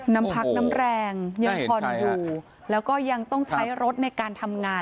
น้ำพักน้ำแรงยังผ่อนอยู่แล้วก็ยังต้องใช้รถในการทำงาน